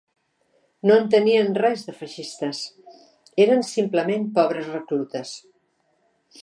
No en tenien res, de feixistes; eren, simplement, pobres reclutes